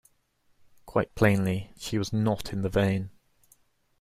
Quite plainly, she was not in the vein.